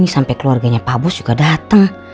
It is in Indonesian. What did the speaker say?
sampai keluarganya pak bos juga dateng